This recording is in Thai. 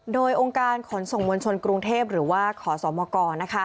โดยองค์การขนส่งมวลชนกรุงเทพหรือว่าขอสมก